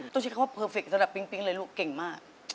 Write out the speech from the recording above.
ต้องใช้คำว่าเพอร์เฟคสำหรับปิ๊งเลยลูกเก่งมาก